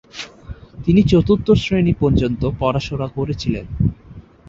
তিনি চতুর্থ শ্রেণি পর্যন্ত পড়াশোনা করেছিলেন।